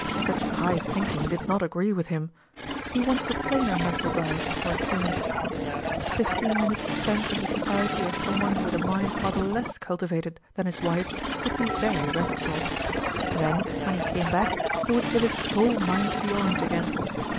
Such high think ing did not agree with him ; he wanted a plainer mental diet for a change. Fifteen min utes spent in the society of some one with a fotirtt) (ElKqtte. mind rather less cultivated than his wife's would be very restful. Then, when he came back, he would give his whole mind to the orange again.